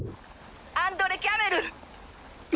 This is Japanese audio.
アンドレ・キャメル！！